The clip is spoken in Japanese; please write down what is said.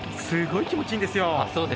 すごい気持ちいいんですよ。